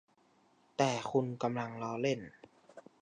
แต่คุณกำลังล้อเล่น